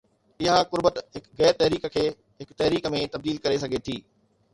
اها قربت هڪ غير تحريڪ کي هڪ تحريڪ ۾ تبديل ڪري سگهي ٿي.